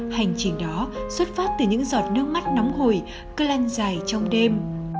hành trình đó xuất phát từ những giọt nước mắt nóng hổi cơn lanh dài trong đêm